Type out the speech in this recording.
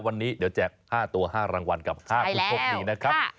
วันนี้เดี๋ยวแจก๕ตัว๕รางวัลกับ๕ผู้โชคดีนะครับ